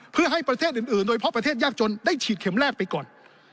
เพื่อให้ประเทศอื่นโดยเฉพาะประเทศยากจนได้ฉีดเข็มแรกไปก่อน